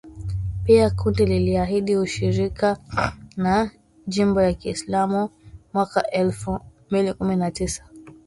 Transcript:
Pia kundi liliahidi ushirika na jimbo ya Kiislamu mwaka elfu mbili kumi na tisa.